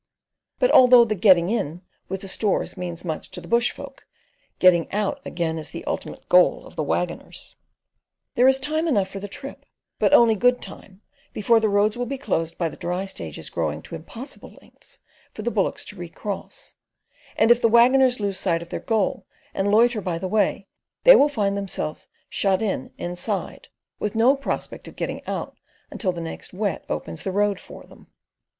But although the "getting in", with the stores means much to the "bush folk," getting out again is the ultimate goal of the waggoners. There is time enough for the trip, but only good time, before the roads will be closed by the dry stages growing to impossible lengths for the bullocks to recross; and if the waggoners lose sight of their goal, and loiter by the way, they will find themselves "shut in" inside, with no prospect of getting out until the next Wet opens the road for them.